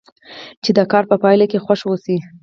چې ته د کار په پای کې خوښ اوسې.